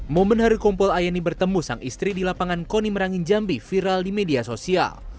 momen hari kompol ayani bertemu sang istri di lapangan koni merangin jambi viral di media sosial